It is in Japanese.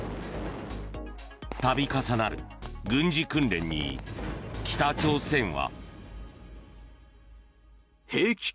度重なる軍事訓練に北朝鮮は。